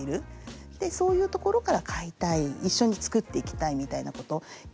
でそういうところから買いたい一緒に作っていきたいみたいなこと。